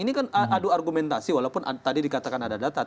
ini kan adu argumentasi walaupun tadi dikatakan ada data